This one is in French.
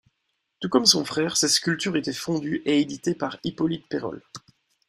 Tout comme son frère, ses sculptures étaient fondues et éditées par Hippolyte Peyrol.